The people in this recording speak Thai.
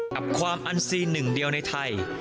กับความอันซีนหนึ่งเดียวในไทย